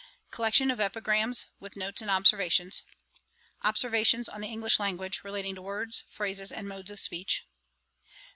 'Collection of Epigrams, with notes and observations. 'Observations on the English language, relating to words, phrases, and modes of Speech.